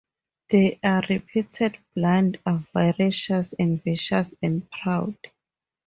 They are reputed blind, avaricious, envious and proud.